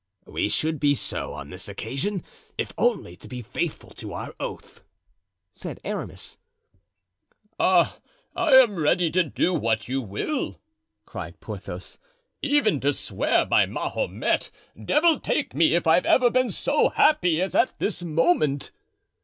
"We should be so on this occasion, if only to be faithful to our oath," said Aramis. "Ah, I'm ready to do what you will," cried Porthos; "even to swear by Mahomet. Devil take me if I've ever been so happy as at this moment."